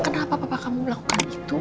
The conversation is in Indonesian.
kenapa papa kamu melakukan itu